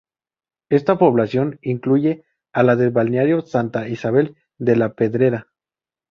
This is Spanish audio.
Esta población incluye a la del balneario Santa Isabel de la Pedrera.